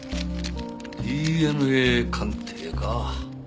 ＤＮＡ鑑定か。